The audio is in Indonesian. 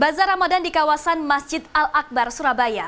bazar ramadan di kawasan masjid al akbar surabaya